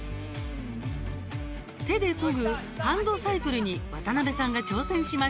手でこぐハンドサイクルに渡邉さんが挑戦しました。